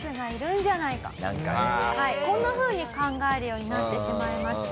こんなふうに考えるようになってしまいました。